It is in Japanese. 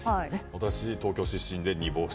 私、東京出身で煮干し。